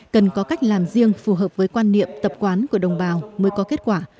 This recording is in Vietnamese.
cần có cách làm riêng phù hợp với quan niệm tập quán của đồng bào mới có kết quả